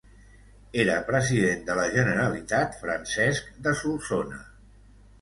Era President de la Generalitat Francesc de Solsona.